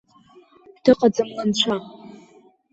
Дыҟаӡам лынцәа.